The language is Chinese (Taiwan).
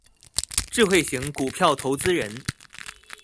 智慧型股票投資人